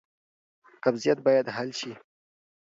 قبضیت باید حل شي.